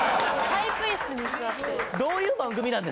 パイプ椅子に座って。